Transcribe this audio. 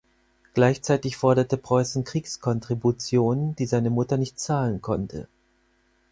Gleichzeitig forderte Preußen Kriegskontributionen, die seine Mutter nicht zahlen konnte.